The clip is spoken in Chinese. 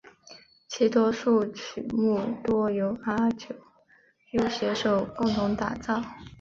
其多数曲目多由阿久悠携手共同打造。